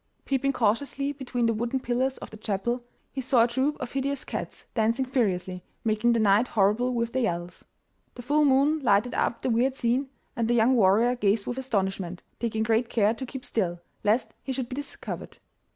Peeping cautiously between the wooden pillars of the chapel, he saw a troop of hideous cats, dancing furiously, making the night horrible with their yells. The full moon lighted up the weird scene, and the young warrior gazed with astonishment, taking great care to keep still, lest he should be discovered.